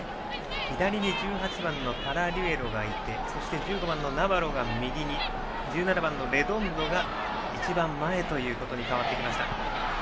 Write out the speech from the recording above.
左に１８番のパラリュエロがいてそして１５番のナバロが右で１７番のレドンドが一番前に変わってきました。